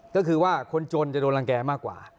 ก็คือว่าคนจนจะโดนรังแก่มากกว่า